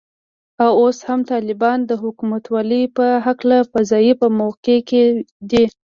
او اوس هم طالبان د حکومتولې په هکله په ضعیفه موقف کې دي